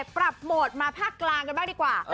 ปรับโหมดมาภาคกลางกันบ้างดีกว่า